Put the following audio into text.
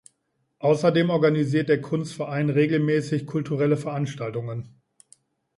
Außerdem organisiert der Kunstverein regelmäßig kulturelle Veranstaltungen.